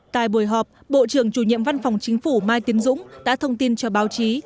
tại buổi họp bộ trưởng chủ nhiệm văn phòng chính phủ mai tiến dũng đã thông tin cho báo chí